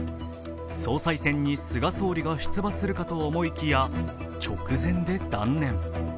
総裁選に菅総理が出馬するかと思いきや、直前で断念。